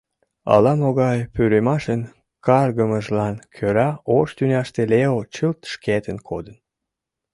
Ала-могай пӱрымашын каргымыжлан кӧра ош тӱняште Лео чылт шкетын кодын.